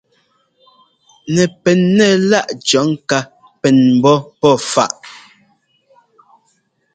Nɛpɛn nɛ láꞌ cɔ̌ ŋká pɛn ḿbɔ́ pɔ́ faꞌ.